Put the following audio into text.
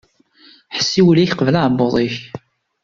Ḥess i wul-ik qbel aεebbuḍ-ik.